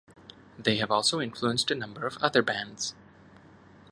They have also influenced a number of other bands.